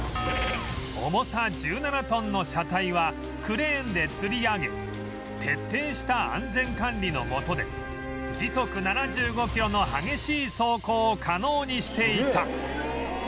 重さ１７トンの車体はクレーンでつり上げ徹底した安全管理の下で時速７５キロの激しい走行を可能にしていた